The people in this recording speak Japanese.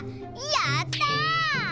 やった！